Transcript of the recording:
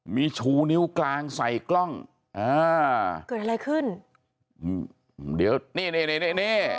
มีชูนิ้วกลางใส่กล้องอ่าเกิดอะไรขึ้นเดี๋ยวนี่นี่นี่